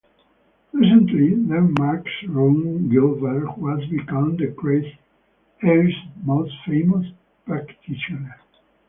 Recently, Denmark's Rune Glifberg has become the Christ Air's most famous practitioner.